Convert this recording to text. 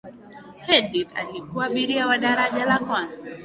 edith alikuwa abiria wa daraja la kwanza